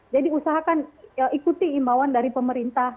jadi usahakan ikuti imbauan dari pemerintah